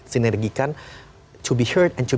sinergikan untuk terdengar